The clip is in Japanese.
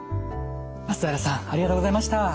松平さんありがとうございました。